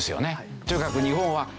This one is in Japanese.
とにかく日本は高品質。